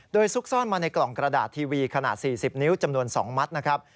โดยซุกซ่อนมาในกล่องกระดาษทีวีขนาด๔๐นิ้วจำนวน๒มัดนะครับ